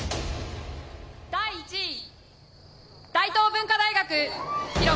第１位、大東文化大学。